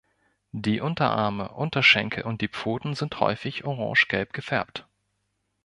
Die Unterarme, Unterschenkel und die Pfoten sind häufig orangegelb gefärbt.